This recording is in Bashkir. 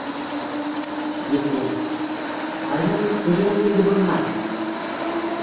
- Ете... ҡайҙан телеңә килде был һан?